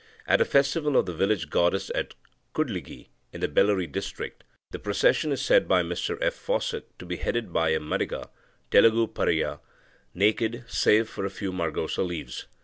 At a festival of the village goddess at Kudligi in the Bellary district, the procession is said by Mr F. Fawcett to be headed by a Madiga (Telugu Pariah) naked save for a few margosa leaves.